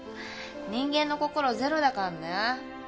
人間の心ゼロだかんね。